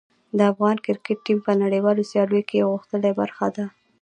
د افغان کرکټ ټیم په نړیوالو سیالیو کې یوه غښتلې برخه ده.